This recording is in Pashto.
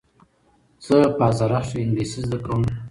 زه په ازرخش کښي انګلېسي زده کوم.